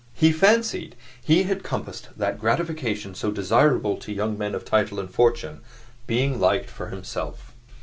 He fancied he had compassed that gratification so desirable to young men of title and fortune being liked for himself.